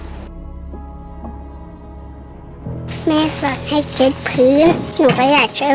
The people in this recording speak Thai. แม่สอนให้เช็ดพื้นหนูก็อยากช่วยแม่ทำงานแม่จะได้ไม่ต้องเหนื่อยค่ะ